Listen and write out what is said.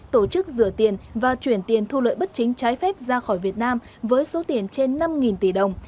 tổ chức rửa tiền và chuyển tiền thu lợi bất chính trái phép ra khỏi việt nam với số tiền trên năm tỷ đồng